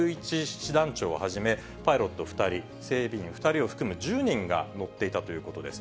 師団長をはじめ、パイロット２人、整備員２人を含む１０人が乗っていたということです。